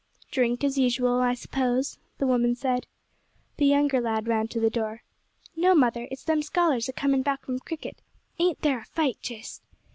"Drink, as usual, I suppose," the woman said. The younger lad ran to the door. "No, mother; it's them scholars a coming back from cricket. Ain't there a fight jist!"